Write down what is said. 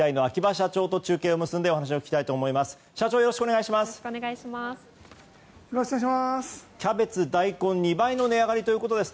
社長、よろしくお願いします。